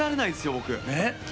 僕。